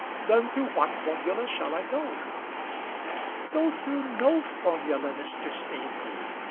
"Then through what formula shall I go?" "Go through no formula, Mr. Staveley.